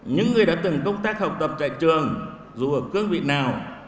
những người đã từng công tác học tập tại trường dù ở cương vị nào